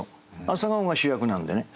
朝顔が主役なんでね。